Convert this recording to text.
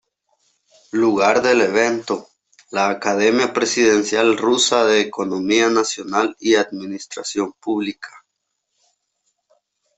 Lugar del evento: La Academia Presidencial Rusa de economía nacional y administración pública.